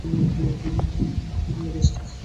তো করো অ্যারেস্ট।